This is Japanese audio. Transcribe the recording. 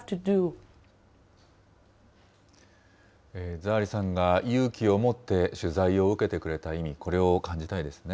ザー・リさんが勇気をもって取材を受けてくれた意味、これを感じたいですね。